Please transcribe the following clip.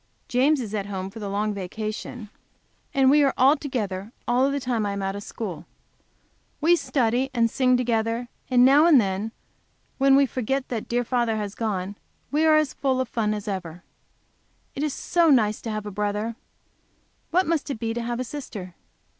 James is at home for the long vacation and we are together all the time I am out of school. We study and sing together and now and then, when we forget that dear father has gone, we are as full of fun as ever. If it is so nice to have a brother, what must it be to have a sister!